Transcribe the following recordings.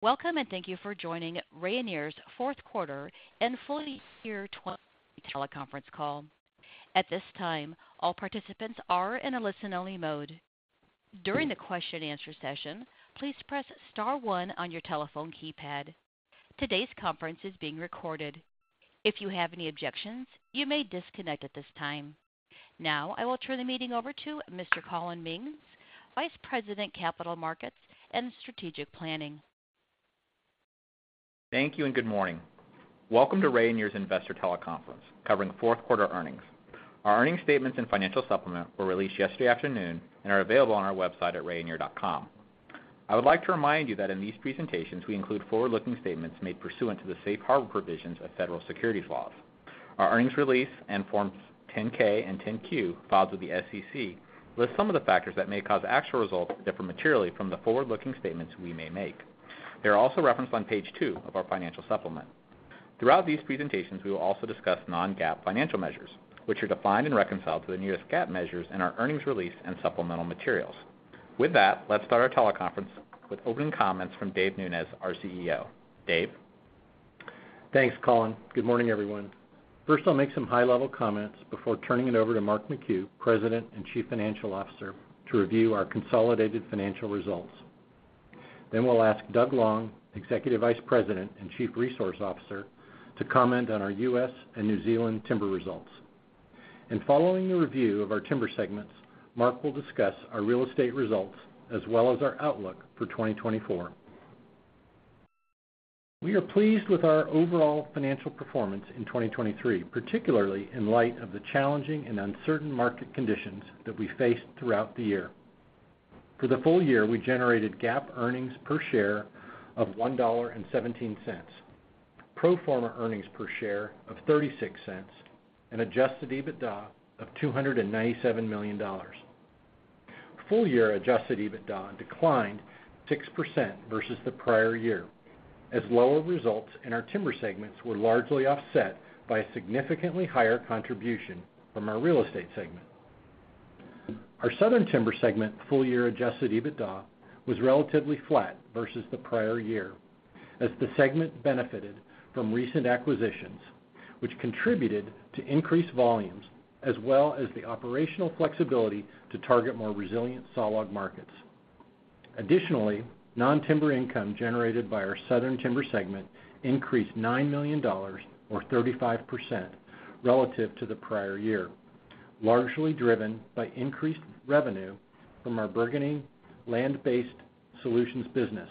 Welcome, and thank you for joining Rayonier's fourth quarter and full year 2020 teleconference call. At this time, all participants are in a listen-only mode. During the question-and-answer session, please press star one on your telephone keypad. Today's conference is being recorded. If you have any objections, you may disconnect at this time. Now, I will turn the meeting over to Mr. Collin Mings, Vice President, Capital Markets and Strategic Planning. Thank you, and good morning. Welcome to Rayonier's Investor Teleconference, covering fourth quarter earnings. Our earnings statements and financial supplement were released yesterday afternoon and are available on our website at rayonier.com. I would like to remind you that in these presentations, we include forward-looking statements made pursuant to the safe harbor provisions of federal securities laws. Our earnings release and Forms 10-K and 10-Q filed with the SEC list some of the factors that may cause actual results to differ materially from the forward-looking statements we may make. They are also referenced on page two of our financial supplement. Throughout these presentations, we will also discuss Non-GAAP financial measures, which are defined and reconciled to the nearest GAAP measures in our earnings release and supplemental materials. With that, let's start our teleconference with opening comments from Dave Nunes, our Chief Executive Officer. Dave? Thanks, Collin. Good morning, everyone. First, I'll make some high-level comments before turning it over to Mark McHugh, President and Chief Financial Officer, to review our consolidated financial results. Then we'll ask Doug Long, Executive Vice President and Chief Resource Officer, to comment on our U.S. and New Zealand timber results. And following the review of our timber segments, Mark will discuss our real estate results as well as our outlook for 2024. We are pleased with our overall financial performance in 2023, particularly in light of the challenging and uncertain market conditions that we faced throughout the year. For the full year, we generated GAAP earnings per share of $1.17, pro forma earnings per share of $0.36, and Adjusted EBITDA of $297 million. Full-year Adjusted EBITDA declined 6% versus the prior year, as lower results in our timber segments were largely offset by a significantly higher contribution from our Real Estate segment. Our Southern Timber segment full-year Adjusted EBITDA was relatively flat versus the prior year, as the segment benefited from recent acquisitions, which contributed to increased volumes, as well as the operational flexibility to target more resilient sawlog markets. Additionally, non-timber income generated by our Southern Timber segment increased $9 million or 35% relative to the prior year, largely driven by increased revenue from our burgeoning Land-Based Solutions business.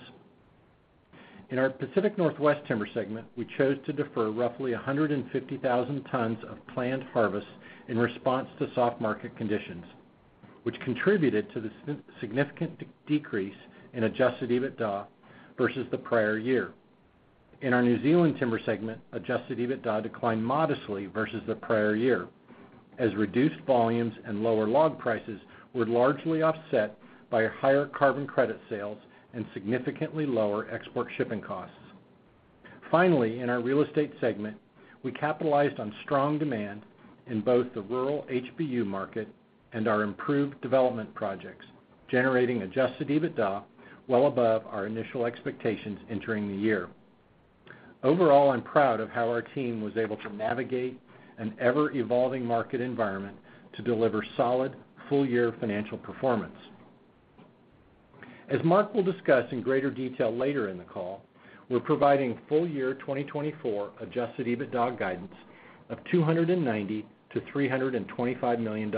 In our Pacific Northwest Timber segment, we chose to defer roughly 150,000 tons of planned harvest in response to soft market conditions, which contributed to the significant decrease in Adjusted EBITDA versus the prior year. In our New Zealand Timber segment, Adjusted EBITDA declined modestly versus the prior year, as reduced volumes and lower log prices were largely offset by higher carbon credit sales and significantly lower export shipping costs. Finally, in our Real Estate segment, we capitalized on strong demand in both the rural HBU market and our improved development projects, generating Adjusted EBITDA well above our initial expectations entering the year. Overall, I'm proud of how our team was able to navigate an ever-evolving market environment to deliver solid, full-year financial performance. As Mark will discuss in greater detail later in the call, we're providing full-year 2024 Adjusted EBITDA guidance of $290 million-$325 million.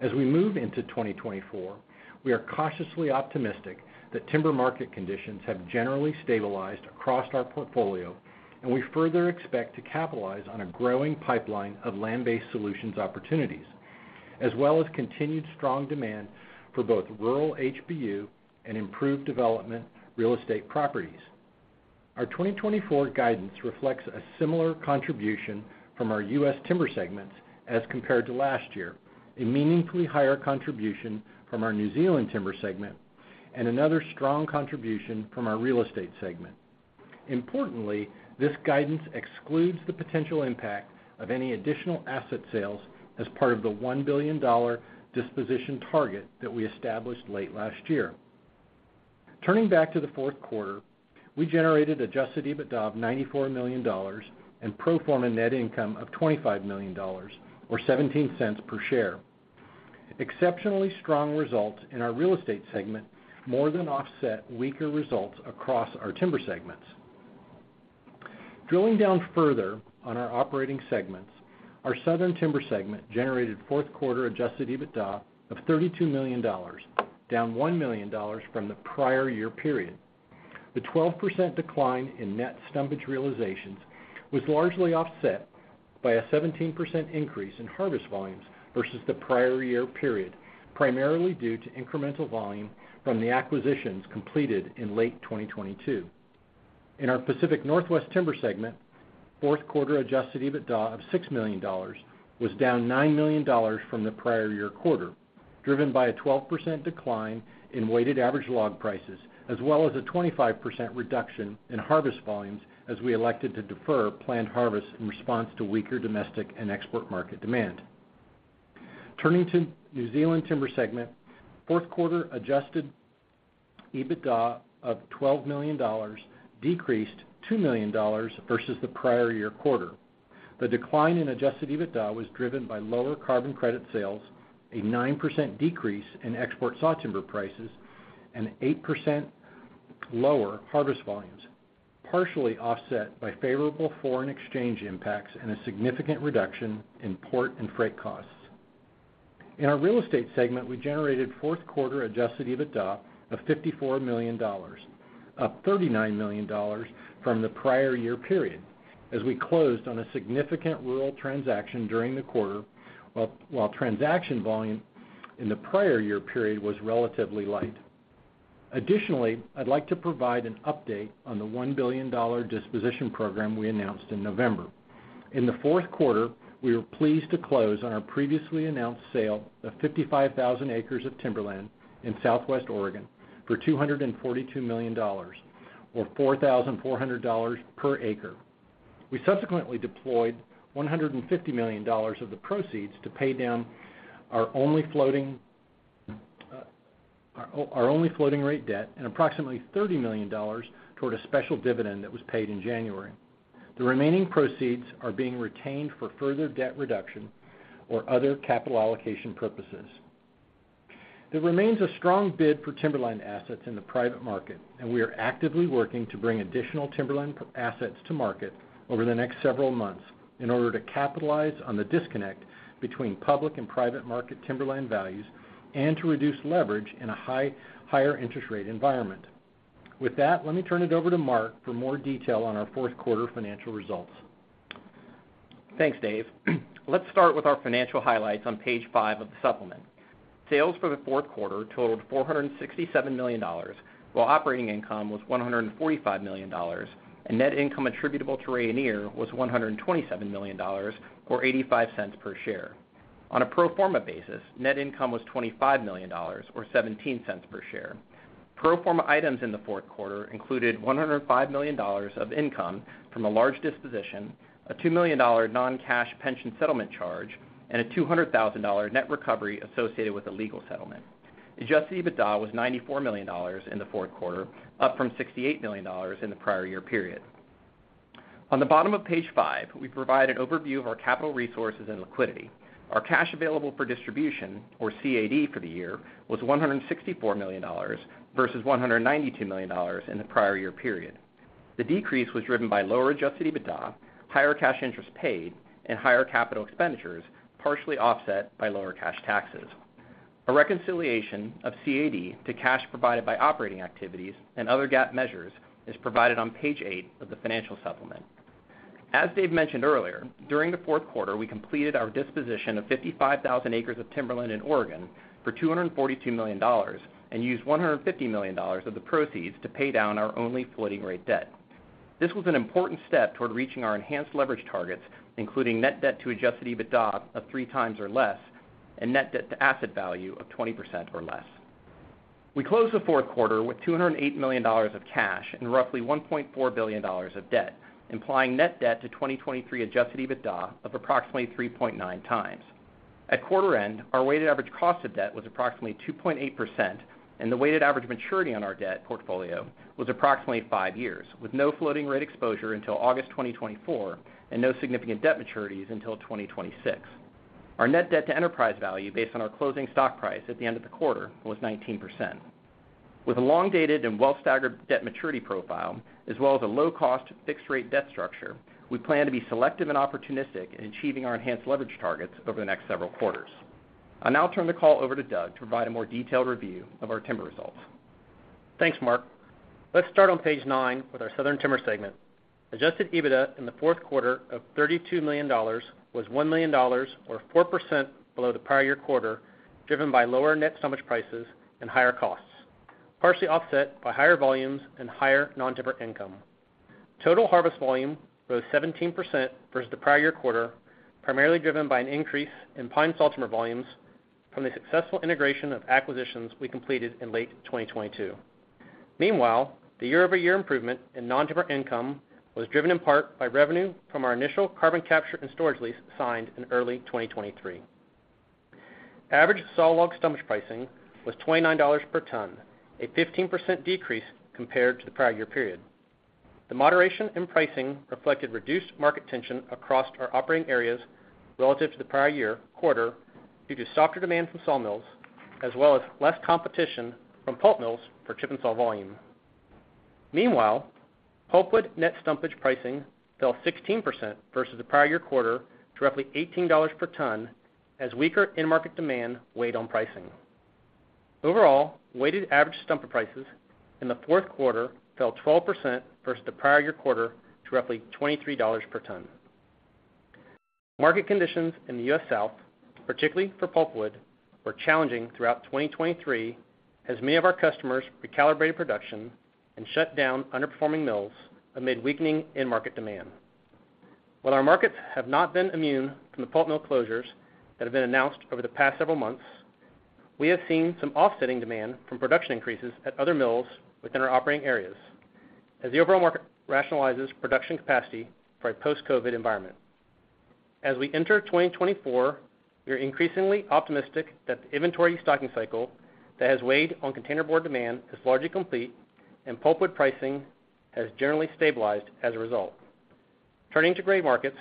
As we move into 2024, we are cautiously optimistic that timber market conditions have generally stabilized across our portfolio, and we further expect to capitalize on a growing pipeline of Land-Based Solutions opportunities, as well as continued strong demand for both rural HBU and improved development real estate properties. Our 2024 guidance reflects a similar contribution from our U.S. Timber segments as compared to last year, a meaningfully higher contribution from our New Zealand Timber segment, and another strong contribution from our Real Estate segment. Importantly, this guidance excludes the potential impact of any additional asset sales as part of the $1 billion disposition target that we established late last year. Turning back to the fourth quarter, we generated Adjusted EBITDA of $94 million and pro forma net income of $25 million, or $0.17 per share. Exceptionally strong results in our Real Estate segment more than offset weaker results across our timber segments. Drilling down further on our operating segments, our Southern Timber segment generated fourth quarter Adjusted EBITDA of $32 million, down $1 million from the prior year period. The 12% decline in net stumpage realizations was largely offset by a 17% increase in harvest volumes versus the prior year period, primarily due to incremental volume from the acquisitions completed in late 2022. In our Pacific Northwest Timber segment, fourth quarter Adjusted EBITDA of $6 million was down $9 million from the prior year quarter, driven by a 12% decline in weighted average log prices, as well as a 25% reduction in harvest volumes, as we elected to defer planned harvest in response to weaker domestic and export market demand. Turning to New Zealand Timber segment, fourth quarter Adjusted EBITDA of $12 million decreased $2 million versus the prior year quarter. The decline in Adjusted EBITDA was driven by lower carbon credit sales, a 9% decrease in export sawtimber prices, and 8% lower harvest volumes, partially offset by favorable foreign exchange impacts and a significant reduction in port and freight costs. In our Real Estate segment, we generated fourth quarter Adjusted EBITDA of $54 million, up $39 million from the prior year period, as we closed on a significant rural transaction during the quarter, while transaction volume in the prior year period was relatively light. Additionally, I'd like to provide an update on the $1 billion disposition program we announced in November. In the fourth quarter, we were pleased to close on our previously announced sale of 55,000 acres of timberland in Southwest Oregon for $242 million, or $4,400 per acre. We subsequently deployed $150 million of the proceeds to pay down our only floating rate debt, and approximately $30 million toward a special dividend that was paid in January. The remaining proceeds are being retained for further debt reduction or other capital allocation purposes. There remains a strong bid for timberland assets in the private market, and we are actively working to bring additional timberland assets to market over the next several months in order to capitalize on the disconnect between public and private market timberland values, and to reduce leverage in a higher interest rate environment. With that, let me turn it over to Mark for more detail on our fourth quarter financial results. Thanks, Dave. Let's start with our financial highlights on page five of the supplement. Sales for the fourth quarter totaled $467 million, while operating income was $145 million, and net income attributable to Rayonier was $127 million, or $0.85 per share. On a pro forma basis, net income was $25 million, or $0.17 per share. Pro forma items in the fourth quarter included $105 million of income from a large disposition, a $2 million non-cash pension settlement charge, and a $200,000 net recovery associated with a legal settlement. Adjusted EBITDA was $94 million in the fourth quarter, up from $68 million in the prior year period. On the bottom of page five, we provide an overview of our capital resources and liquidity. Our cash available for distribution, or CAD for the year, was $164 million versus $192 million in the prior year period. The decrease was driven by lower Adjusted EBITDA, higher cash interest paid, and higher capital expenditures, partially offset by lower cash taxes. A reconciliation of CAD to cash provided by operating activities and other GAAP measures is provided on page eight of the financial supplement. As Dave mentioned earlier, during the fourth quarter, we completed our disposition of 55,000 acres of timberland in Oregon for $242 million, and used $150 million of the proceeds to pay down our only floating-rate debt. This was an important step toward reaching our enhanced leverage targets, including net debt to Adjusted EBITDA of 3x or less, and net debt to asset value of 20% or less. We closed the fourth quarter with $208 million of cash and roughly $1.4 billion of debt, implying net debt to 2023 Adjusted EBITDA of approximately 3.9x. At quarter end, our weighted average cost of debt was approximately 2.8%, and the weighted average maturity on our debt portfolio was approximately five years, with no floating-rate exposure until August 2024 and no significant debt maturities until 2026. Our net debt to enterprise value, based on our closing stock price at the end of the quarter, was 19%. With a long-dated and well staggered debt maturity profile, as well as a low-cost, fixed-rate debt structure, we plan to be selective and opportunistic in achieving our enhanced leverage targets over the next several quarters. I'll now turn the call over to Doug to provide a more detailed review of our timber results. Thanks, Mark. Let's start on page nine with our Southern Timber segment. Adjusted EBITDA in the fourth quarter of $32 million was $1 million, or 4% below the prior year quarter, driven by lower net stumpage prices and higher costs, partially offset by higher volumes and higher non-timber income. Total harvest volume rose 17% versus the prior year quarter, primarily driven by an increase in pine sawtimber volumes from the successful integration of acquisitions we completed in late 2022. Meanwhile, the year-over-year improvement in non-timber income was driven in part by revenue from our initial carbon capture and storage lease signed in early 2023. Average sawlog stumpage pricing was $29 per ton, a 15% decrease compared to the prior year period. The moderation in pricing reflected reduced market tension across our operating areas relative to the prior year quarter due to softer demand from sawmills, as well as less competition from pulp mills for chip and saw volume. Meanwhile, pulpwood net stumpage pricing fell 16% versus the prior year quarter to roughly $18 per ton, as weaker end market demand weighed on pricing. Overall, weighted average stumpage prices in the fourth quarter fell 12% versus the prior year quarter to roughly $23 per ton. Market conditions in the U.S. South, particularly for pulpwood, were challenging throughout 2023, as many of our customers recalibrated production and shut down underperforming mills amid weakening in-market demand. While our markets have not been immune from the pulp mill closures that have been announced over the past several months... We have seen some offsetting demand from production increases at other mills within our operating areas as the overall market rationalizes production capacity for a post-COVID environment. As we enter 2024, we are increasingly optimistic that the inventory stocking cycle that has weighed on containerboard demand is largely complete, and pulpwood pricing has generally stabilized as a result. Turning to grade markets,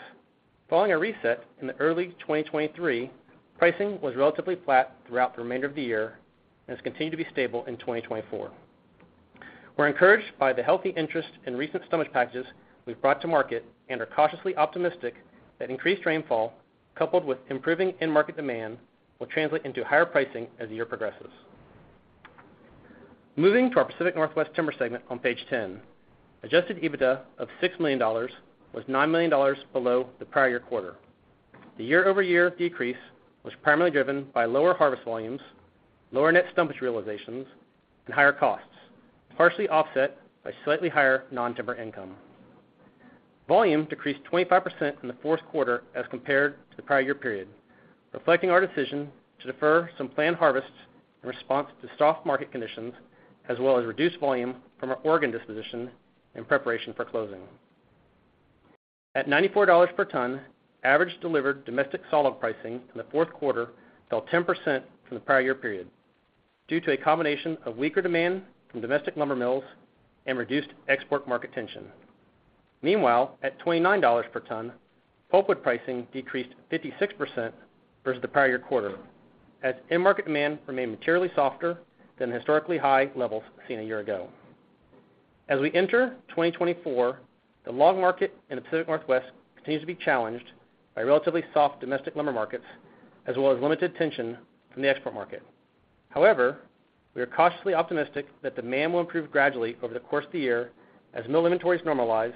following a reset in the early 2023, pricing was relatively flat throughout the remainder of the year and has continued to be stable in 2024. We're encouraged by the healthy interest in recent stumpage packages we've brought to market and are cautiously optimistic that increased rainfall, coupled with improving end market demand, will translate into higher pricing as the year progresses. Moving to our Pacific Northwest Timber segment on page 10, Adjusted EBITDA of $6 million was $9 million below the prior year quarter. The year-over-year decrease was primarily driven by lower harvest volumes, lower net stumpage realizations, and higher costs, partially offset by slightly higher non-timber income. Volume decreased 25% in the fourth quarter as compared to the prior year period, reflecting our decision to defer some planned harvests in response to soft market conditions, as well as reduced volume from our Oregon disposition in preparation for closing. At $94 per ton, average delivered domestic solid pricing in the fourth quarter fell 10% from the prior year period due to a combination of weaker demand from domestic lumber mills and reduced export market tension. Meanwhile, at $29 per ton, pulpwood pricing decreased 56% versus the prior year quarter, as end market demand remained materially softer than the historically high levels seen a year ago. As we enter 2024, the log market in the Pacific Northwest continues to be challenged by relatively soft domestic lumber markets, as well as limited tension from the export market. However, we are cautiously optimistic that demand will improve gradually over the course of the year as mill inventories normalize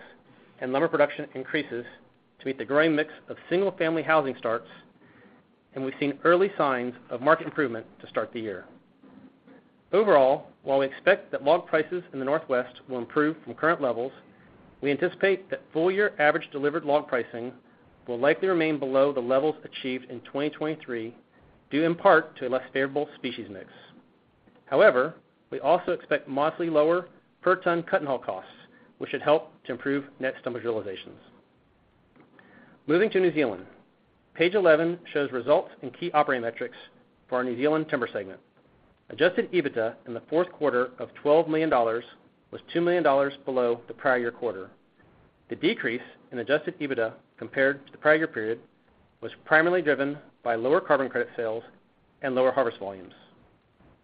and lumber production increases to meet the growing mix of single-family housing starts, and we've seen early signs of market improvement to start the year. Overall, while we expect that log prices in the Northwest will improve from current levels, we anticipate that full year average delivered log pricing will likely remain below the levels achieved in 2023, due in part to a less favorable species mix. However, we also expect modestly lower per-ton cut-and-haul costs, which should help to improve net stumpage realizations. Moving to New Zealand, page 11 shows results and key operating metrics for our New Zealand Timber segment. Adjusted EBITDA in the fourth quarter of $12 million was $2 million below the prior year quarter. The decrease in Adjusted EBITDA compared to the prior year period was primarily driven by lower carbon credit sales and lower harvest volumes,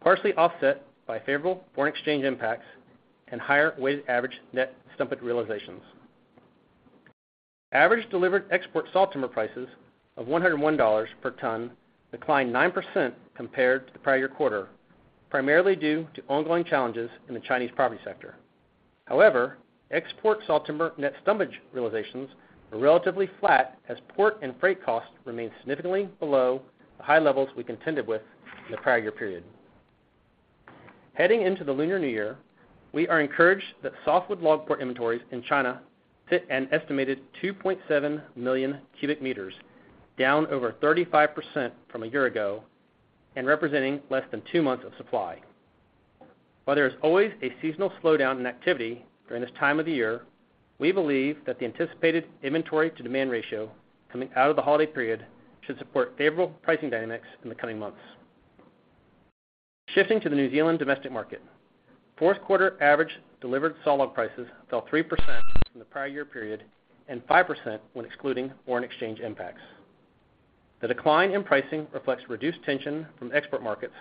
partially offset by favorable foreign exchange impacts and higher weighted average net stumpage realizations. Average delivered export sawtimber prices of $101 per ton declined 9% compared to the prior year quarter, primarily due to ongoing challenges in the Chinese property sector. However, export sawtimber net stumpage realizations were relatively flat as port and freight costs remained significantly below the high levels we contended with in the prior year period. Heading into the Lunar New Year, we are encouraged that softwood log port inventories in China sit at an estimated 2.7 million cubic meters, down over 35% from a year ago and representing less than two months of supply. While there is always a seasonal slowdown in activity during this time of the year, we believe that the anticipated inventory-to-demand ratio coming out of the holiday period should support favorable pricing dynamics in the coming months. Shifting to the New Zealand domestic market, fourth quarter average delivered sawlog prices fell 3% from the prior year period, and 5% when excluding foreign exchange impacts. The decline in pricing reflects reduced tension from export markets,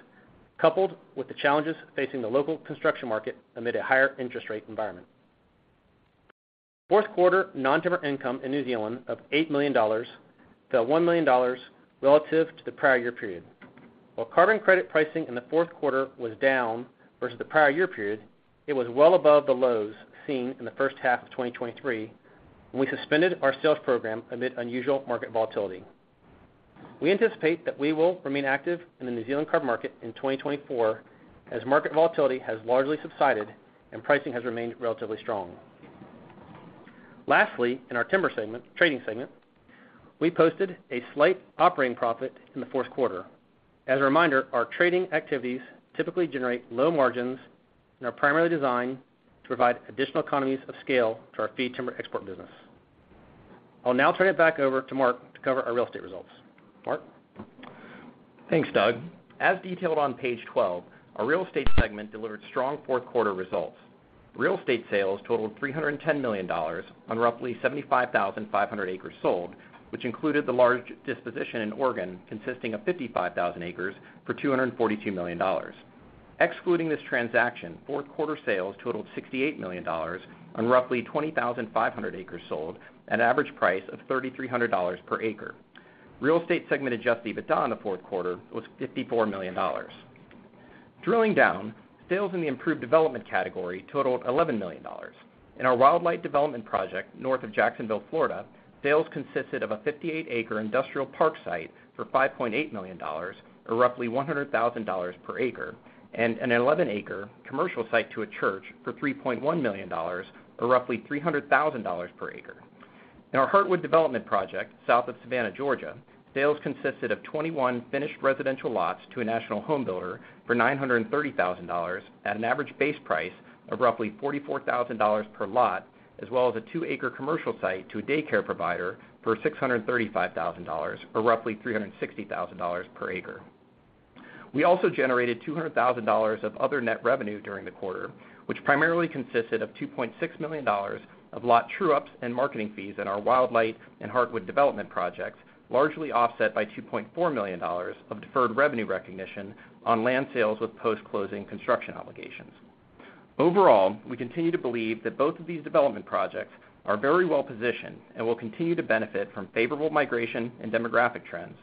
coupled with the challenges facing the local construction market amid a higher interest rate environment. Fourth quarter non-timber income in New Zealand of $8 million, fell $1 million relative to the prior year period. While carbon credit pricing in the fourth quarter was down versus the prior year period, it was well above the lows seen in the first half of 2023, when we suspended our sales program amid unusual market volatility. We anticipate that we will remain active in the New Zealand carbon market in 2024, as market volatility has largely subsided and pricing has remained relatively strong. Lastly, in our timber segment, Trading segment, we posted a slight operating profit in the fourth quarter. As a reminder, our trading activities typically generate low margins and are primarily designed to provide additional economies of scale to our fee timber export business. I'll now turn it back over to Mark to cover our real estate results. Mark? Thanks, Doug. As detailed on page 12, our Real Estate segment delivered strong fourth quarter results. Real estate sales totaled $310 million on roughly 75,500 acres sold, which included the large disposition in Oregon, consisting of 55,000 acres for $242 million. Excluding this transaction, fourth quarter sales totaled $68 million on roughly 20,500 acres sold at an average price of $3,300 per acre. Real Estate segment Adjusted EBITDA in the fourth quarter was $54 million. Drilling down, sales in the improved development category totaled $11 million. In our Wildlight development project, north of Jacksonville, Florida, sales consisted of a 58-acre industrial park site for $5.8 million, or roughly $100,000 per acre, and an 11-acre commercial site to a church for $3.1 million, or roughly $300,000 per acre. In our Heartwood development project, south of Savannah, Georgia, sales consisted of 21 finished residential lots to a national home builder for $930,000 at an average base price of roughly $44,000 per lot, as well as a two-acre commercial site to a daycare provider for $635,000, or roughly $360,000 per acre. We also generated $200,000 of other net revenue during the quarter, which primarily consisted of $2.6 million of lot true-ups and marketing fees in our Wildlight and Heartwood development projects, largely offset by $2.4 million of deferred revenue recognition on land sales with post-closing construction obligations. Overall, we continue to believe that both of these development projects are very well-positioned and will continue to benefit from favorable migration and demographic trends,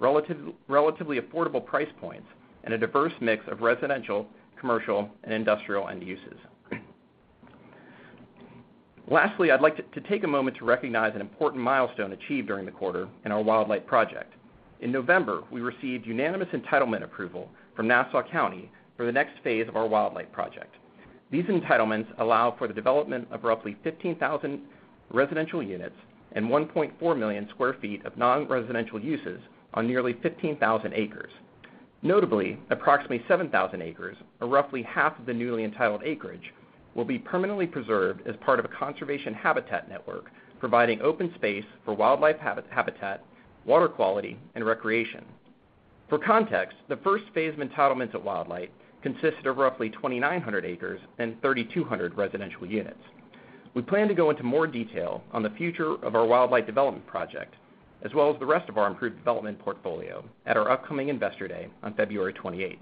relatively, relatively affordable price points, and a diverse mix of residential, commercial, and industrial end uses. Lastly, I'd like to, to take a moment to recognize an important milestone achieved during the quarter in our Wildlight project. In November, we received unanimous entitlement approval from Nassau County for the next phase of our Wildlight project. These entitlements allow for the development of roughly 15,000 residential units and 1.4 million sq ft of non-residential uses on nearly 15,000 acres. Notably, approximately 7,000 acres, or roughly half of the newly entitled acreage, will be permanently preserved as part of a conservation habitat network, providing open space for wildlife habitat, water quality, and recreation. For context, the first phase of entitlements at Wildlight consisted of roughly 2,900 acres and 3,200 residential units. We plan to go into more detail on the future of our Wildlight development project, as well as the rest of our improved development portfolio, at our upcoming Investor Day on February 28.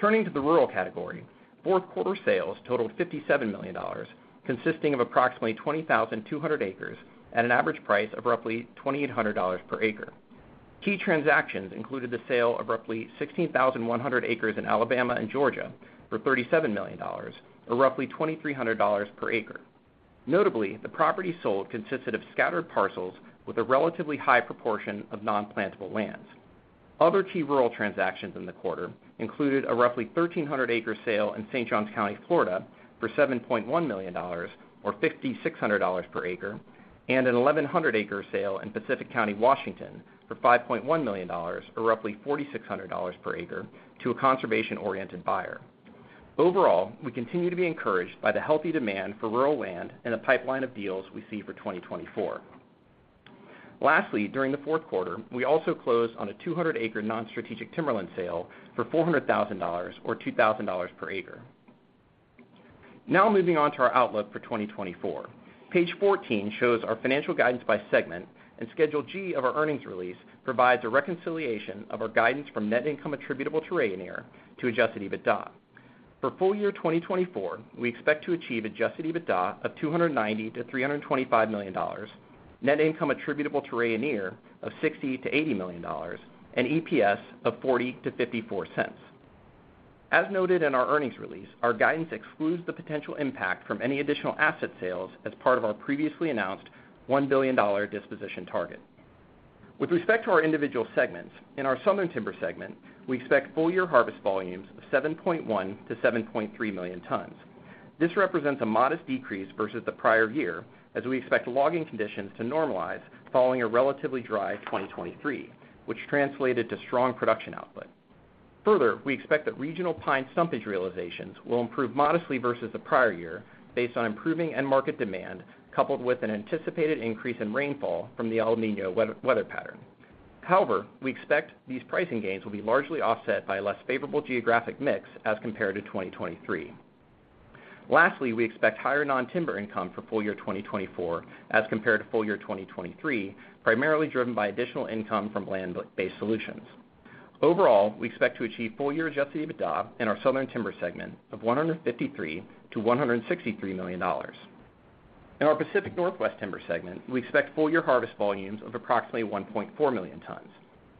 Turning to the rural category, fourth quarter sales totaled $57 million, consisting of approximately 20,200 acres at an average price of roughly $2,800 per acre. Key transactions included the sale of roughly 16,100 acres in Alabama and Georgia for $37 million, or roughly $2,300 per acre. Notably, the property sold consisted of scattered parcels with a relatively high proportion of non-plantable lands. Other key rural transactions in the quarter included a roughly 1,300-acre sale in St. Johns County, Florida, for $7.1 million, or $5,600 per acre, and a 1,100-acre sale in Pacific County, Washington, for $5.1 million, or roughly $4,600 per acre, to a conservation-oriented buyer. Overall, we continue to be encouraged by the healthy demand for rural land and the pipeline of deals we see for 2024. Lastly, during the fourth quarter, we also closed on a 200-acre non-strategic timberland sale for $400,000, or $2,000 per acre. Now moving on to our outlook for 2024. Page 14 shows our financial guidance by segment, and Schedule G of our earnings release provides a reconciliation of our guidance from net income attributable to Rayonier to Adjusted EBITDA. For full year 2024, we expect to achieve Adjusted EBITDA of $290 million-$325 million, net income attributable to Rayonier of $60 million-$80 million, and EPS of $0.40-$0.54. As noted in our earnings release, our guidance excludes the potential impact from any additional asset sales as part of our previously announced $1 billion disposition target. With respect to our individual segments, in our Southern Timber segment, we expect full-year harvest volumes of 7.1 million to 7.3 million tons. This represents a modest decrease versus the prior year, as we expect logging conditions to normalize following a relatively dry 2023, which translated to strong production output. Further, we expect that regional pine arbitrage realizations will improve modestly versus the prior year based on improving end market demand, coupled with an anticipated increase in rainfall from the El Niño weather pattern. However, we expect these pricing gains will be largely offset by a less favorable geographic mix as compared to 2023. Lastly, we expect higher non-timber income for full year 2024 as compared to full year 2023, primarily driven by additional income from Land-Based Solutions. Overall, we expect to achieve full-year Adjusted EBITDA in our Southern Timber segment of $153 million-$163 million. In our Pacific Northwest Timber segment, we expect full-year harvest volumes of approximately 1.4 million tons.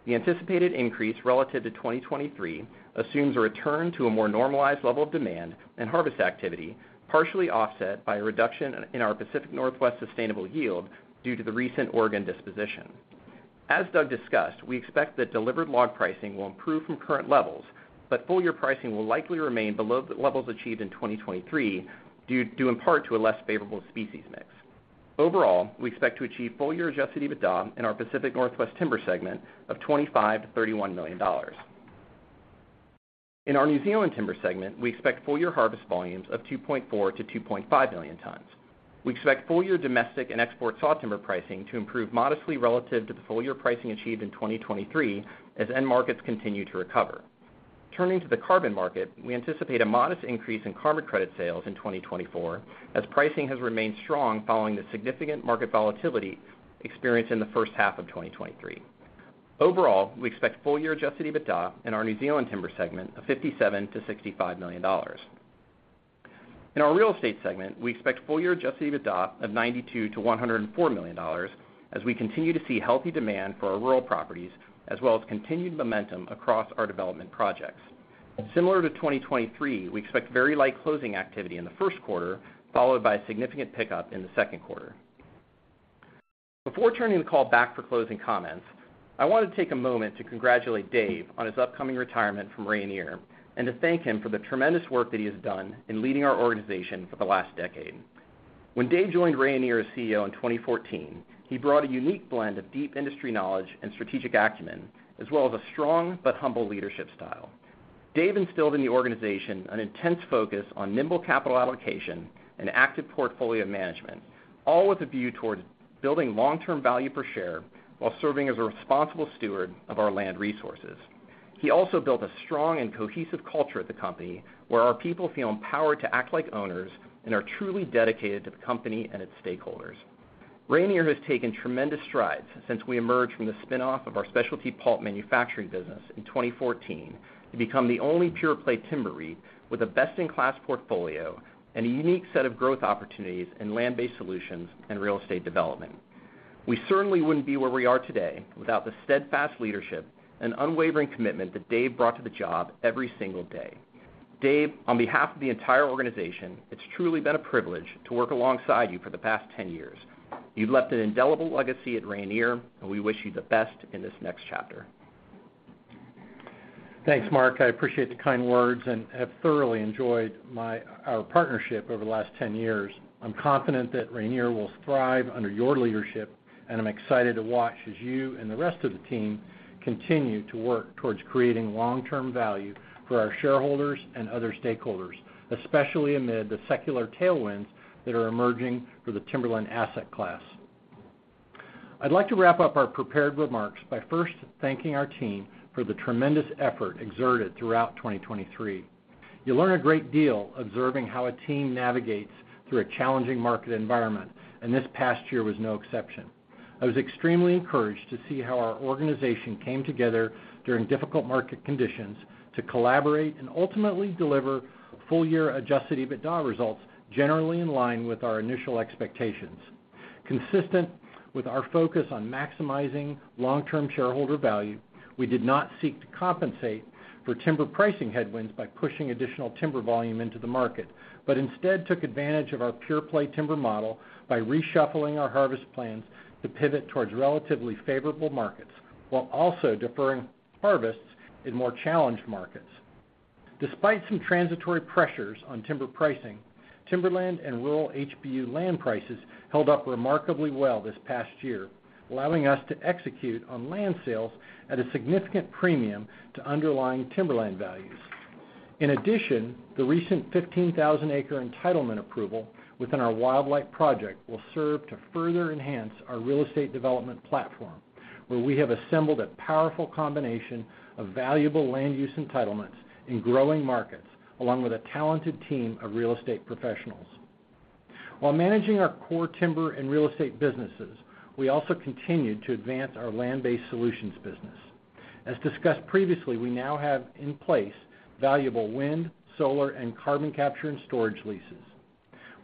The anticipated increase relative to 2023 assumes a return to a more normalized level of demand and harvest activity, partially offset by a reduction in our Pacific Northwest sustainable yield due to the recent Oregon disposition. As Doug discussed, we expect that delivered log pricing will improve from current levels, but full-year pricing will likely remain below the levels achieved in 2023, due in part to a less favorable species mix. Overall, we expect to achieve full-year Adjusted EBITDA in our Pacific Northwest Timber segment of $25 million to $31 million. In our New Zealand Timber segment, we expect full-year harvest volumes of 2.4 to 2.5 million tons. We expect full-year domestic and export sawtimber pricing to improve modestly relative to the full-year pricing achieved in 2023, as end markets continue to recover. Turning to the carbon market, we anticipate a modest increase in carbon credit sales in 2024, as pricing has remained strong following the significant market volatility experienced in the first half of 2023. Overall, we expect full-year Adjusted EBITDA in our New Zealand Timber segment of $57 million-$65 million. In our Real Estate segment, we expect full-year Adjusted EBITDA of $92 million-$104 million, as we continue to see healthy demand for our rural properties, as well as continued momentum across our development projects. Similar to 2023, we expect very light closing activity in the first quarter, followed by a significant pickup in the second quarter. Before turning the call back for closing comments, I want to take a moment to congratulate Dave on his upcoming retirement from Rayonier, and to thank him for the tremendous work that he has done in leading our organization for the last decade. When Dave joined Rayonier as CEO in 2014, he brought a unique blend of deep industry knowledge and strategic acumen, as well as a strong but humble leadership style. Dave instilled in the organization an intense focus on nimble capital allocation and active portfolio management, all with a view towards building long-term value per share while serving as a responsible steward of our land resources. He also built a strong and cohesive culture at the company, where our people feel empowered to act like owners and are truly dedicated to the company and its stakeholders. Rayonier has taken tremendous strides since we emerged from the spin-off of our specialty pulp manufacturing business in 2014 to become the only pure-play timber REIT with a best-in-class portfolio and a unique set of growth opportunities in land-based solutions and real estate development. We certainly wouldn't be where we are today without the steadfast leadership and unwavering commitment that Dave brought to the job every single day. Dave, on behalf of the entire organization, it's truly been a privilege to work alongside you for the past 10 years. You've left an indelible legacy at Rayonier, and we wish you the best in this next chapter. Thanks, Mark. I appreciate the kind words and have thoroughly enjoyed our partnership over the last 10 years. I'm confident that Rayonier will thrive under your leadership, and I'm excited to watch as you and the rest of the team continue to work towards creating long-term value for our shareholders and other stakeholders, especially amid the secular tailwinds that are emerging for the timberland asset class. I'd like to wrap up our prepared remarks by first thanking our team for the tremendous effort exerted throughout 2023. You learn a great deal observing how a team navigates through a challenging market environment, and this past year was no exception. I was extremely encouraged to see how our organization came together during difficult market conditions to collaborate and ultimately deliver full-year Adjusted EBITDA results, generally in line with our initial expectations. Consistent with our focus on maximizing long-term shareholder value, we did not seek to compensate for timber pricing headwinds by pushing additional timber volume into the market, but instead took advantage of our pure-play timber model by reshuffling our harvest plans to pivot towards relatively favorable markets, while also deferring harvests in more challenged markets. Despite some transitory pressures on timber pricing, timberland and rural HBU land prices held up remarkably well this past year, allowing us to execute on land sales at a significant premium to underlying timberland values. In addition, the recent 15,000-acre entitlement approval within our Wildlight project will serve to further enhance our real estate development platform, where we have assembled a powerful combination of valuable land use entitlements in growing markets, along with a talented team of real estate professionals. While managing our core timber and real estate businesses, we also continued to advance our Land-Based Solutions business. As discussed previously, we now have in place valuable wind, solar, and carbon capture and storage leases.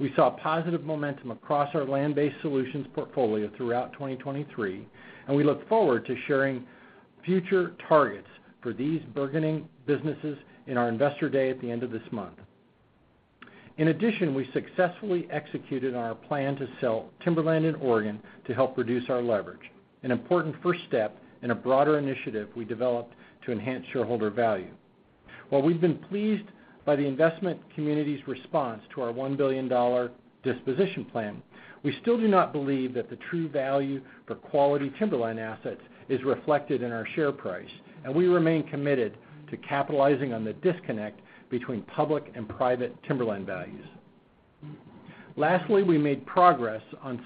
We saw positive momentum across our Land-Based Solutions portfolio throughout 2023, and we look forward to sharing future targets for these burgeoning businesses in our Investor Day at the end of this month. In addition, we successfully executed on our plan to sell timberland in Oregon to help reduce our leverage, an important first step in a broader initiative we developed to enhance shareholder value. While we've been pleased by the investment community's response to our $1 billion disposition plan, we still do not believe that the true value for quality timberland assets is reflected in our share price, and we remain committed to capitalizing on the disconnect between public and private timberland values. Lastly, we made progress on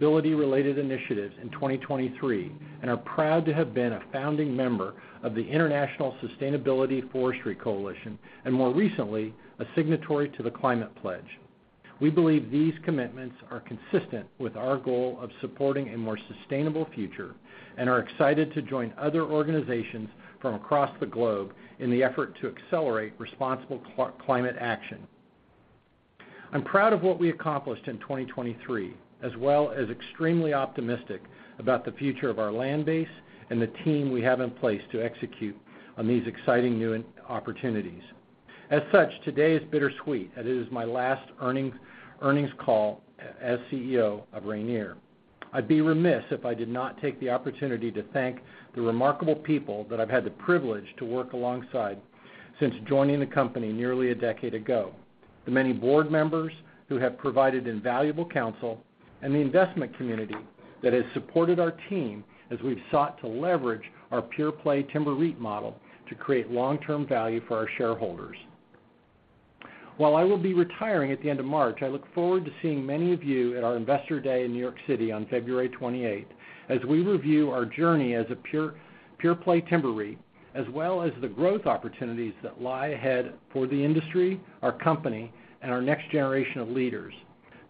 sustainability-related initiatives in 2023 and are proud to have been a founding member of the International Sustainable Forestry Coalition, and more recently, a signatory to the Climate Pledge. We believe these commitments are consistent with our goal of supporting a more sustainable future, and are excited to join other organizations from across the globe in the effort to accelerate responsible climate action. I'm proud of what we accomplished in 2023, as well as extremely optimistic about the future of our land base and the team we have in place to execute on these exciting new opportunities. As such, today is bittersweet, as it is my last earnings call as Chief Executive Officer of Rayonier. I'd be remiss if I did not take the opportunity to thank the remarkable people that I've had the privilege to work alongside since joining the company nearly a decade ago, the many board members who have provided invaluable counsel, and the investment community that has supported our team as we've sought to leverage our pure-play timber REIT model to create long-term value for our shareholders. While I will be retiring at the end of March, I look forward to seeing many of you at our Investor Day in New York City on February 28, as we review our journey as a pure-play timber REIT, as well as the growth opportunities that lie ahead for the industry, our company, and our next generation of leaders.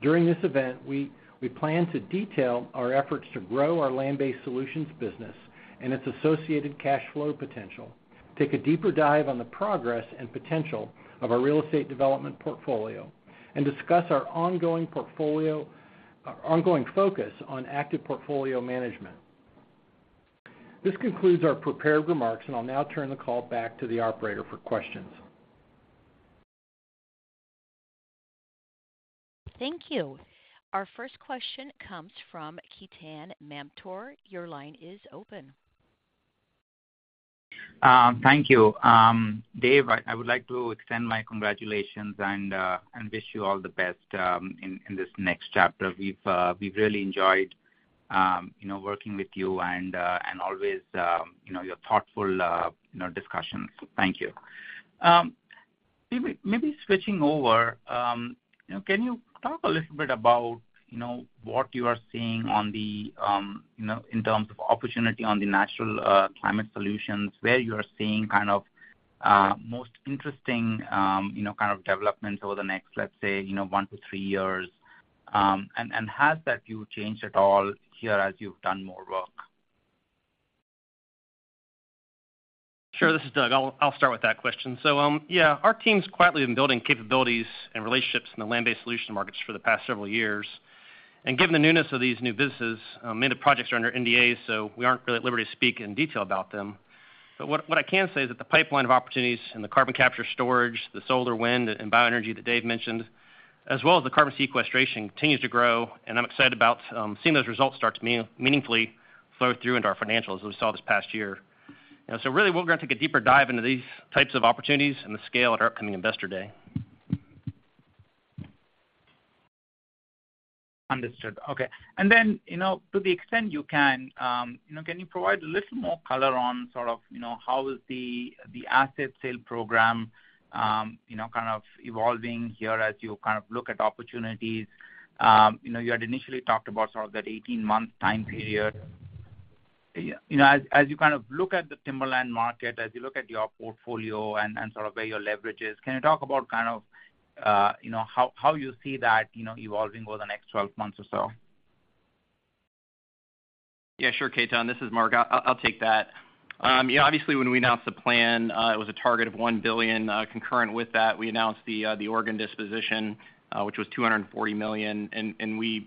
During this event, we plan to detail our efforts to grow our Land-Based Solutions business and its associated cash flow potential, take a deeper dive on the progress and potential of our real estate development portfolio, and discuss our ongoing focus on active portfolio management. This concludes our prepared remarks, and I'll now turn the call back to the operator for questions. Thank you. Our first question comes from Ketan Mamtora. Your line is open. Thank you. Dave, I would like to extend my congratulations and wish you all the best in this next chapter. We've really enjoyed, you know, working with you and always, you know, your thoughtful discussions. Thank you. Maybe switching over, you know, can you talk a little bit about, you know, what you are seeing on the, you know, in terms of opportunity on the natural climate solutions, where you are seeing kind of most interesting, you know, kind of developments over the next, let's say, you know, one to three years? And has that view changed at all here as you've done more work? Sure. This is Doug. I'll start with that question. So, yeah, our team's quietly been building capabilities and relationships in the land-based solution markets for the past several years. And given the newness of these new businesses, many of the projects are under NDA, so we aren't really at liberty to speak in detail about them. But what I can say is that the pipeline of opportunities in the carbon capture and storage, the solar, wind, and bioenergy that Dave mentioned, as well as the carbon sequestration, continues to grow, and I'm excited about seeing those results start to meaningfully flow through into our financials, as we saw this past year. You know, so really, we're gonna take a deeper dive into these types of opportunities and the scale at our upcoming Investor Day. Understood. Okay. And then, you know, to the extent you can, you know, you know, can you provide a little more color on sort of, you know, how the asset sale program kind of evolving here as you kind of look at opportunities? You know, you had initially talked about sort of that 18-month time period. Yeah, you know, as you kind of look at the timberland market, as you look at your portfolio and sort of where your leverage is, can you talk about kind of, you know, how you see that, you know, evolving over the next 12 months or so? Yeah, sure, Ketan. This is Mark. I'll take that. You know, obviously, when we announced the plan, it was a target of $1 billion. Concurrent with that, we announced the Oregon disposition, which was $240 million, and we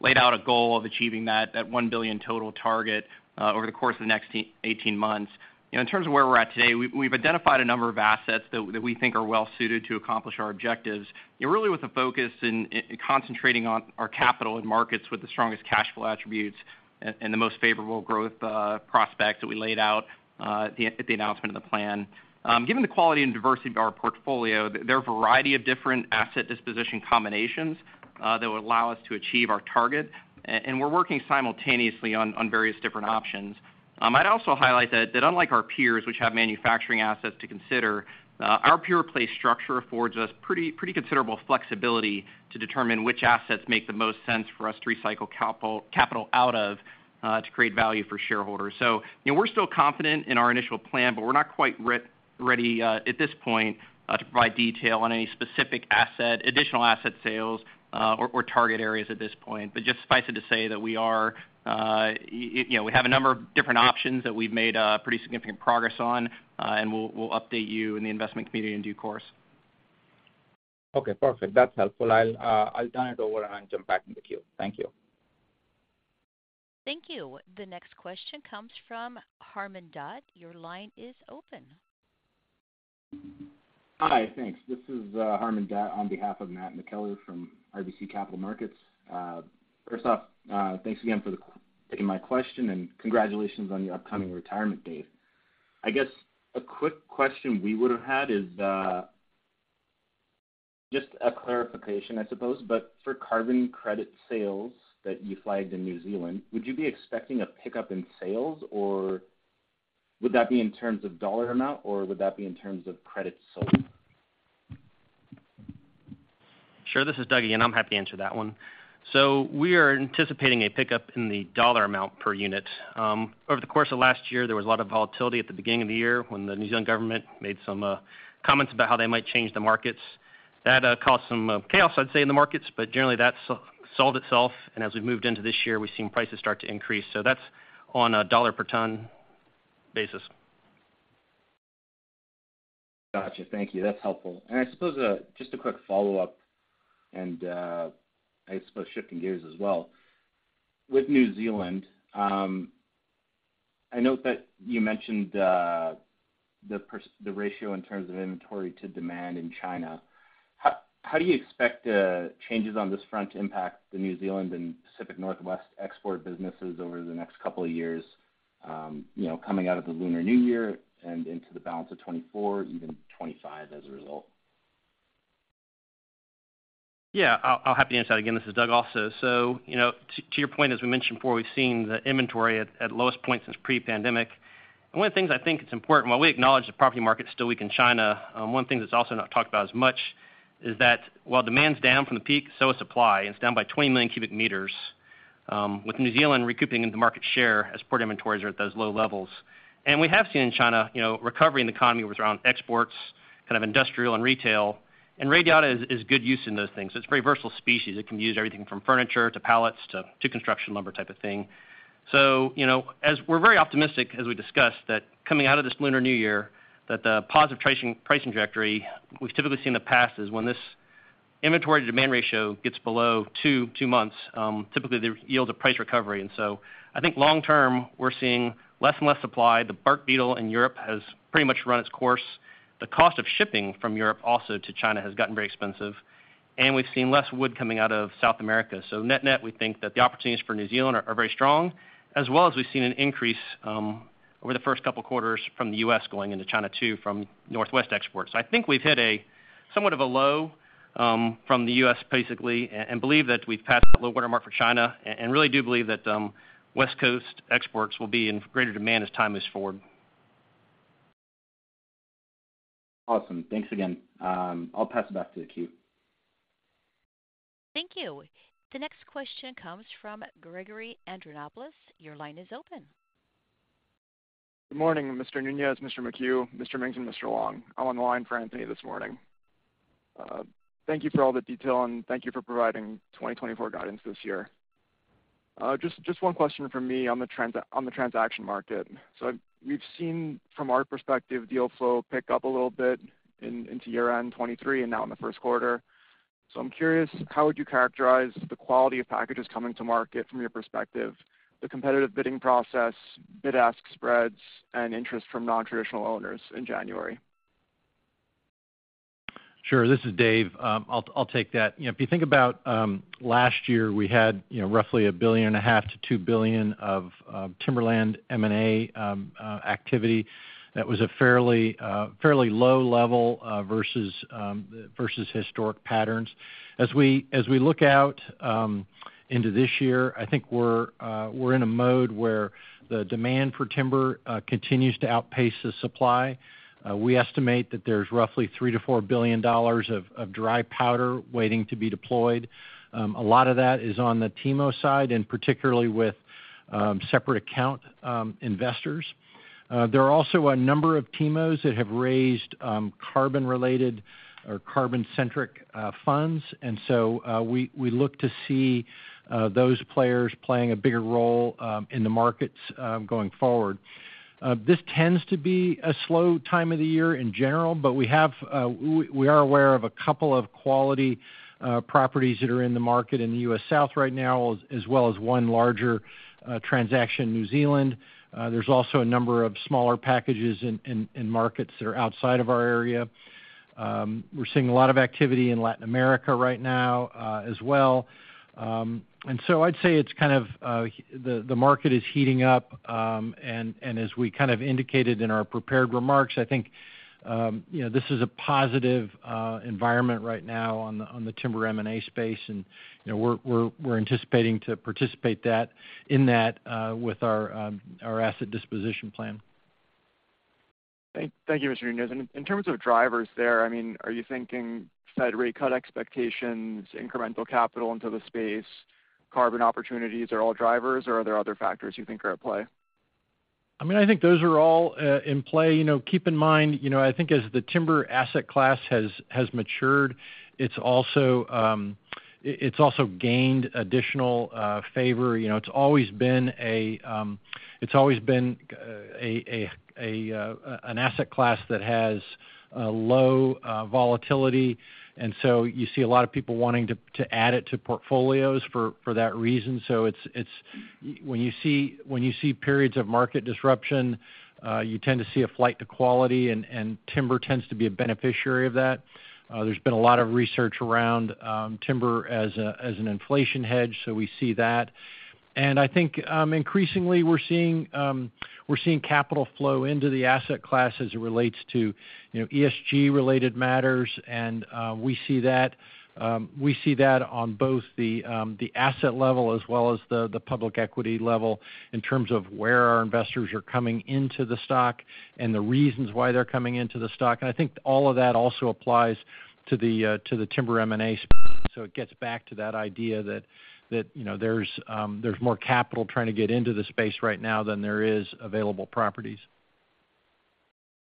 laid out a goal of achieving that $1 billion total target over the course of the next 18 months. You know, in terms of where we're at today, we've identified a number of assets that we think are well suited to accomplish our objectives, and really with a focus in concentrating on our capital and markets with the strongest cash flow attributes and the most favorable growth prospects that we laid out at the announcement of the plan. Given the quality and diversity of our portfolio, there are a variety of different asset disposition combinations that would allow us to achieve our target, and we're working simultaneously on various different options. I'd also highlight that unlike our peers, which have manufacturing assets to consider, our pure play structure affords us pretty considerable flexibility to determine which assets make the most sense for us to recycle capital out of, to create value for shareholders. So, you know, we're still confident in our initial plan, but we're not quite ready at this point to provide detail on any specific asset, additional asset sales, or target areas at this point. But just suffice it to say that we are, you know, we have a number of different options that we've made pretty significant progress on, and we'll update you in the investment community in due course. Okay, perfect. That's helpful. I'll turn it over and jump back in the queue. Thank you. Thank you. The next question comes from Harman Dutt. Your line is open. Hi, thanks. This is Harman Dutt on behalf of Matt McKellar from RBC Capital Markets. First off, thanks again for taking my question, and congratulations on your upcoming retirement, Dave. I guess a quick question we would have had is just a clarification, I suppose, but for carbon credit sales that you flagged in New Zealand, would you be expecting a pickup in sales, or would that be in terms of dollar amount, or would that be in terms of credit sold? Sure, this is Doug here, and I'm happy to answer that one. So we are anticipating a pickup in the dollar amount per unit. Over the course of last year, there was a lot of volatility at the beginning of the year when the New Zealand government made some comments about how they might change the markets. That caused some chaos, I'd say, in the markets, but generally that solved itself, and as we've moved into this year, we've seen prices start to increase. So that's on a dollar-per-ton basis. Gotcha. Thank you. That's helpful. And I suppose, just a quick follow-up, and, I suppose shifting gears as well. With New Zealand, I note that you mentioned, the ratio in terms of inventory to demand in China. How do you expect, changes on this front to impact the New Zealand and Pacific Northwest export businesses over the next couple of years, you know, coming out of the Lunar New Year and into the balance of 2024, even 2025 as a result? Yeah, I'll, I'll be happy to answer that again. This is Doug also. So, you know, to, to your point, as we mentioned before, we've seen the inventory at, at lowest point since pre-pandemic. And one of the things I think it's important, while we acknowledge the property market is still weak in China, one thing that's also not talked about as much is that while demand's down from the peak, so is supply, and it's down by 20 million cubic meters, with New Zealand recouping the market share as port inventories are at those low levels. And we have seen in China, you know, recovery in the economy with around exports, kind of industrial and retail, and radiata is, is good use in those things. It's a very versatile species. It can be used everything from furniture, to pallets, to, to construction lumber type of thing. So, you know, as we're very optimistic, as we discussed, that coming out of this Lunar New Year, that the positive pricing-price trajectory we've typically seen in the past, is when this inventory-to-demand ratio gets below two-two months, typically they yield a price recovery. And so I think long term, we're seeing less and less supply. The bark beetle in Europe has pretty much run its course. The cost of shipping from Europe also to China has gotten very expensive, and we've seen less wood coming out of South America. So net-net, we think that the opportunities for New Zealand are, are very strong, as well as we've seen an increase over the first couple of quarters from the U.S. going into China, too, from Northwest exports. I think we've hit a somewhat of a low, from the U.S., basically, and believe that we've passed that low watermark for China, and really do believe that West Coast exports will be in greater demand as time moves forward. Awesome. Thanks again. I'll pass it back to the queue. Thank you. The next question comes from Gregory Andreopoulos. Your line is open. Good morning, Mr. Nunes, Mr. McHugh, Mr. Mings, and Mr. Long. I'm on the line for Anthony this morning. Thank you for all the detail, and thank you for providing 2024 guidance this year. Just, just one question from me on the transaction market. So we've seen from our perspective, deal flow pick up a little bit into year-end 2023 and now in the first quarter. So I'm curious, how would you characterize the quality of packages coming to market from your perspective, the competitive bidding process, bid-ask spreads, and interest from non-traditional owners in January? Sure. This is Dave. I'll take that. If you think about last year, we had, you know, roughly $1.5 billion to $2 billion of timberland M&A activity. That was a fairly low level versus historic patterns. As we look out into this year, I think we're in a mode where the demand for timber continues to outpace the supply. We estimate that there's roughly $3 billion to $4 billion of dry powder waiting to be deployed. A lot of that is on the TIMO side, and particularly with separate account investors. There are also a number of TIMOs that have raised, carbon-related or carbon-centric, funds, and so, we look to see, those players playing a bigger role, in the markets, going forward. This tends to be a slow time of the year in general, but we have, we are aware of a couple of quality, properties that are in the market in the U.S. South right now, as well as one larger, transaction in New Zealand. There's also a number of smaller packages in markets that are outside of our area. We're seeing a lot of activity in Latin America right now, as well. And so I'd say it's kind of, the market is heating up. And as we kind of indicated in our prepared remarks, I think, you know, this is a positive environment right now on the timber M&A space, and, you know, we're anticipating to participate in that with our asset disposition plan. Thank you, Mr. Nunes. In terms of drivers there, I mean, are you thinking Fed rate cut expectations, incremental capital into the space, carbon opportunities are all drivers, or are there other factors you think are at play? I mean, I think those are all in play. You know, keep in mind, you know, I think as the timber asset class has matured, it's also gained additional favor. You know, it's always been an asset class that has low volatility, and so you see a lot of people wanting to add it to portfolios for that reason. So it's, When you see periods of market disruption, you tend to see a flight to quality, and timber tends to be a beneficiary of that. There's been a lot of research around timber as an inflation hedge, so we see that. And I think increasingly we're seeing we're seeing capital flow into the asset class as it relates to, you know, ESG-related matters, and we see that. We see that on both the the asset level as well as the the public equity level in terms of where our investors are coming into the stock and the reasons why they're coming into the stock. And I think all of that also applies to the to the timber M&A space. So it gets back to that idea that that you know there's there's more capital trying to get into the space right now than there is available properties.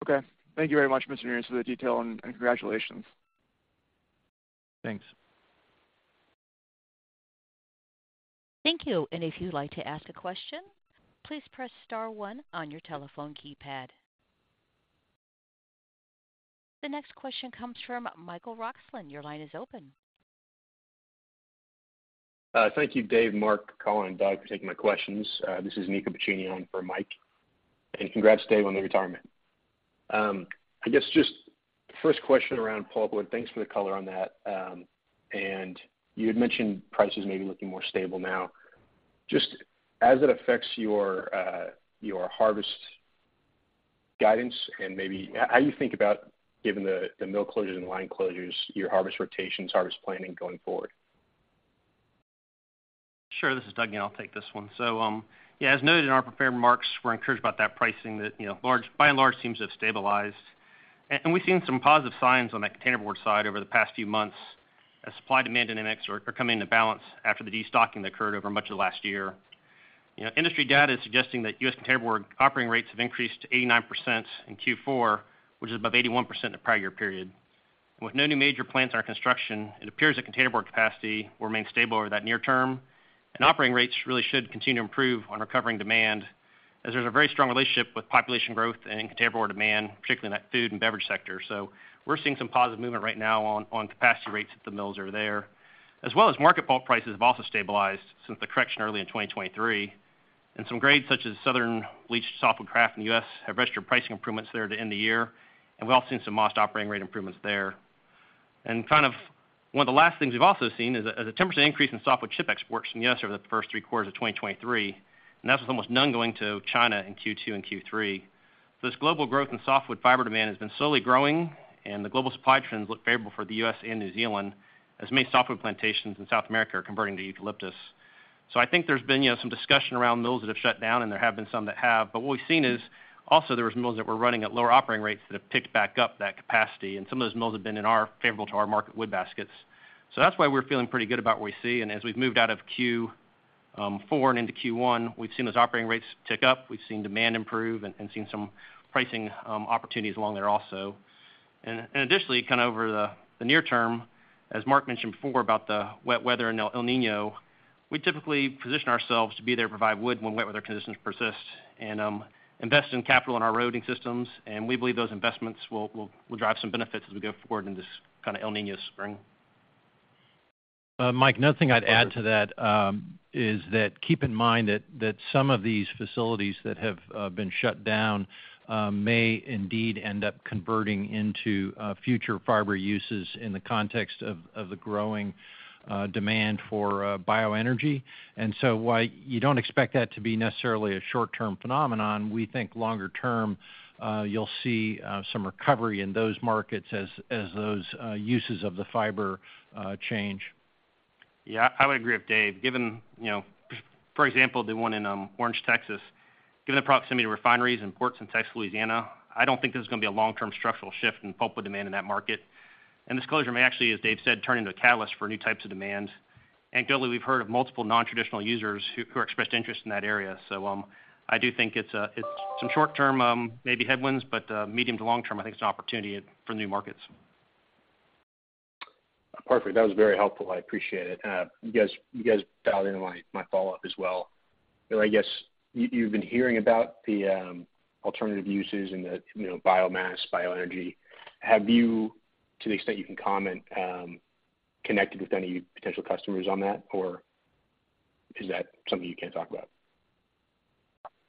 Okay. Thank you very much, Mr. Nunes, for the detail, and congratulations. Thanks. Thank you. And if you'd like to ask a question, please press star one on your telephone keypad. The next question comes from Michael Roxland. Your line is open. Thank you, Dave, Mark, Collin, and Doug, for taking my questions. This is Nico Buccini on for Mike, and congrats, Dave, on the retirement. I guess just first question around pulpwood. Thanks for the color on that. And you had mentioned prices may be looking more stable now. Just as it affects your harvest guidance and maybe how you think about, given the mill closures and line closures, your harvest rotations, harvest planning going forward. Sure. This is Doug, and I'll take this one. So, yeah, as noted in our prepared remarks, we're encouraged about that pricing that, you know, by and large, seems to have stabilized. And we've seen some positive signs on that containerboard side over the past few months, as supply-demand dynamics are coming into balance after the destocking that occurred over much of last year. You know, industry data is suggesting that U.S. containerboard operating rates have increased to 89% in Q4, which is above 81% in the prior year period. With no new major plants in our construction, it appears that containerboard capacity will remain stable over that near term, and operating rates really should continue to improve on recovering demand, as there's a very strong relationship with population growth and containerboard demand, particularly in that food and beverage sector. So we're seeing some positive movement right now on capacity rates at the mills over there, as well as market pulp prices have also stabilized since the correction early in 2023. And some grades, such as Southern Bleached Softwood Kraft in the U.S., have registered pricing improvements there to end the year, and we've also seen some modest operating rate improvements there. And kind of one of the last things we've also seen is a 10% increase in softwood chip exports from the U.S. over the first three quarters of 2023, and that was almost none going to China in Q2 and Q3. This global growth in softwood fiber demand has been slowly growing, and the global supply trends look favorable for the U.S. and New Zealand, as many softwood plantations in South America are converting to eucalyptus. So I think there's been, you know, some discussion around mills that have shut down, and there have been some that have. But what we've seen is also there was mills that were running at lower operating rates that have picked back up that capacity, and some of those mills have been in our favorable to our market wood baskets. So that's why we're feeling pretty good about what we see. And as we've moved out of Q4 and into Q1, we've seen those operating rates tick up. We've seen demand improve and, and seen some pricing opportunities along there also. And, and additionally, kind of over the, the near term, as Mark mentioned before, about the wet weather in El Niño, we typically position ourselves to be there to provide wood when wet weather conditions persist and invest in capital in our roading systems. We believe those investments will drive some benefits as we go forward in this kind of El Niño spring. Mike, another thing I'd add to that, is that keep in mind that some of these facilities that have been shut down may indeed end up converting into future fiber uses in the context of the growing demand for bioenergy. And so while you don't expect that to be necessarily a short-term phenomenon, we think longer term, you'll see some recovery in those markets as those uses of the fiber change. Yeah, I would agree with Dave, given, you know, for example, the one in Orange, Texas. Given the proximity to refineries and ports in Texas, Louisiana, I don't think there's gonna be a long-term structural shift in pulpwood demand in that market. And this closure may actually, as Dave said, turn into a catalyst for new types of demand. Anecdotally, we've heard of multiple nontraditional users who expressed interest in that area. So, I do think it's a, it's some short term, maybe headwinds, but medium to long term, I think it's an opportunity for new markets. Perfect. That was very helpful. I appreciate it. You guys, you guys dialed into my, my follow-up as well. But I guess you, you've been hearing about the, alternative uses and the, you know, biomass, bioenergy. Have you, to the extent you can comment, connected with any potential customers on that, or is that something you can't talk about?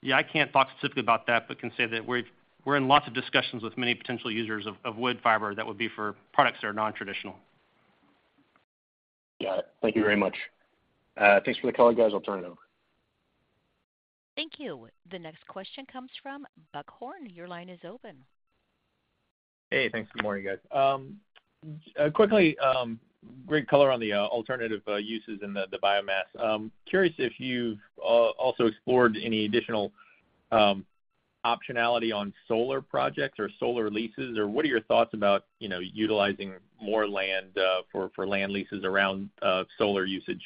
Yeah, I can't talk specifically about that, but can say that we're in lots of discussions with many potential users of wood fiber that would be for products that are nontraditional. Got it. Thank you very much. Thanks for the color, guys. I'll turn it over. Thank you. The next question comes from Buck Horne. Your line is open. Hey, thanks. Good morning, guys. Quickly, great color on the alternative uses and the biomass. Curious if you've also explored any additional optionality on solar projects or solar leases, or what are your thoughts about, you know, utilizing more land for land leases around solar usage?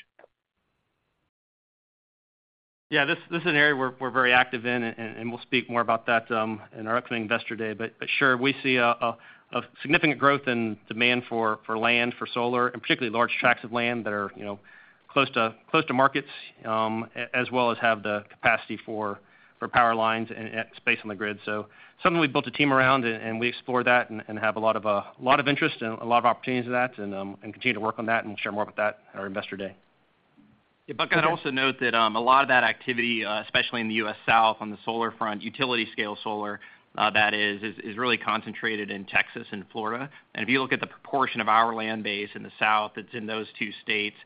Yeah, this is an area we're very active in, and we'll speak more about that in our upcoming Investor Day. But sure, we see a significant growth in demand for land for solar, and particularly large tracts of land that are, you know, close to markets, as well as have the capacity for power lines and space on the grid. So something we built a team around, and we explore that and have a lot of interest and a lot of opportunities to that and continue to work on that and share more about that at our Investor Day. Yeah, Buck, I'd also note that a lot of that activity, especially in the U.S. South, on the solar front, utility scale solar, that is really concentrated in Texas and Florida. And if you look at the proportion of our land base in the South, it's in those two states.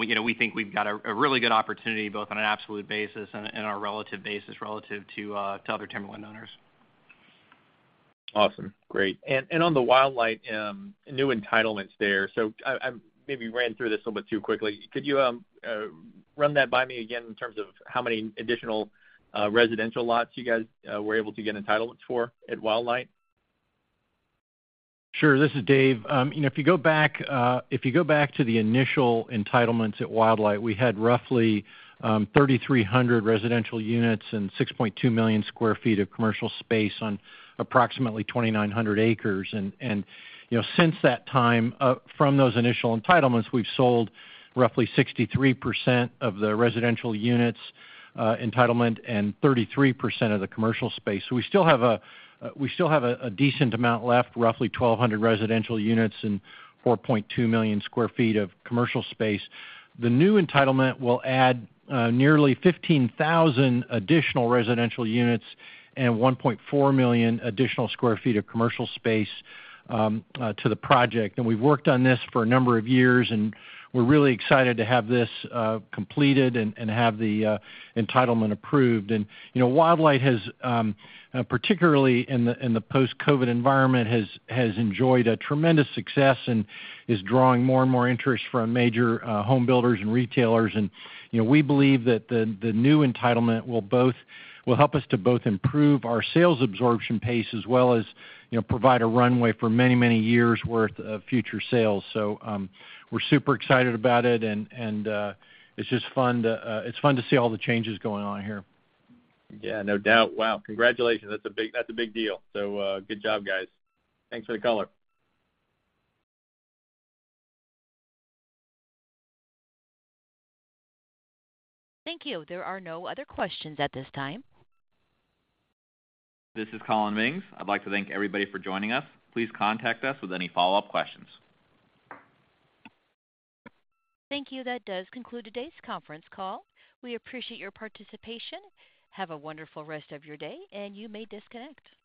We, you know, we think we've got a really good opportunity, both on an absolute basis and our relative basis relative to other timberland owners. Awesome. Great. And on the Wildlight new entitlements there, so I maybe ran through this a little bit too quickly. Could you run that by me again in terms of how many additional residential lots you guys were able to get entitlements for at Wildlight? Sure. This is Dave. You know, if you go back, if you go back to the initial entitlements at Wildlight, we had roughly 3,300 residential units and 6.2 million sq ft of commercial space on approximately 2,900 acres. And, you know, since that time, from those initial entitlements, we've sold roughly 63% of the residential units entitlement and 33% of the commercial space. So we still have a decent amount left, roughly 1,200 residential units and 4.2 million sq ft of commercial space. The new entitlement will add nearly 15,000 additional residential units and 1.4 million additional sq ft of commercial space to the project. And we've worked on this for a number of years, and we're really excited to have this completed and have the entitlement approved. And, you know, Wildlight has, particularly in the post-COVID environment, has enjoyed a tremendous success and is drawing more and more interest from major homebuilders and retailers. And, you know, we believe that the new entitlement will both will help us to both improve our sales absorption pace as well as, you know, provide a runway for many, many years worth of future sales. So, we're super excited about it, and it's just fun to see all the changes going on here. Yeah, no doubt. Wow, congratulations. That's a big, that's a big deal. So, good job, guys. Thanks for the color. Thank you. There are no other questions at this time. This is Collin Mings. I'd like to thank everybody for joining us. Please contact us with any follow-up questions. Thank you. That does conclude today's conference call. We appreciate your participation. Have a wonderful rest of your day, and you may disconnect.